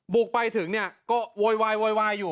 บุกไปถึงเนี่ยก็โวยวายอยู่